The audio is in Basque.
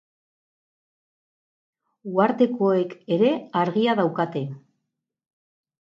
Uhartekoek ere argi daukate.